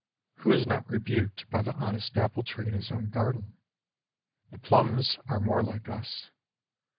Who is not rebuked by the honest apple tree in his own garden? The plums are more like us.